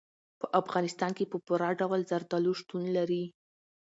په افغانستان کې په پوره ډول زردالو شتون لري.